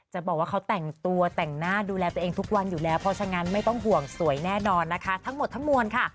จะบอกว่าเขาแต่งตัวแต่งหน้าดูแลตัวเองทุกวันอยู่แล้วเพราะฉะนั้นไม่ต้องห่วงสวยแน่นอนนะคะทั้งหมดทั้งมวลค่ะ